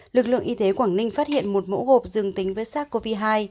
lực lượng y tế quảng ninh phát hiện một mẫu gộp dương tính với sars cov hai